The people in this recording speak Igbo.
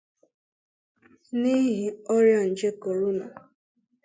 n'ihi ọrịa nje korona.